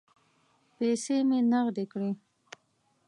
پیسې مې نغدې کړې.